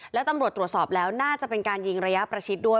แล้วตำรวจตรวจสอบแล้วน่าจะเป็นการยิงระยะประชิดด้วย